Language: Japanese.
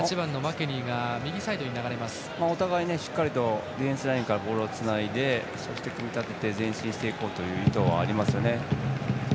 お互い、しっかりとディフェンスラインからボールをつないで、組み立てて前進していこうという意図がありますよね。